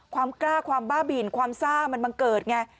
ความกล้าความบ้าบินความซ่ามันบังเกิดไง